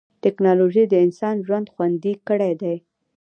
ټکنالوجي د انسان ژوند خوندي کړی دی.